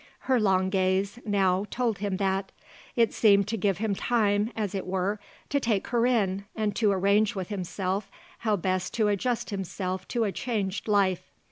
Her long gaze, now, told him that. It seemed to give him time, as it were, to take her in and to arrange with himself how best to adjust himself to a changed life.